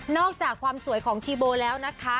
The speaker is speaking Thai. อกจากความสวยของชีโบแล้วนะคะ